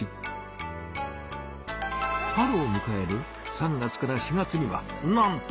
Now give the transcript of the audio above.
春をむかえる３月から４月にはなんと！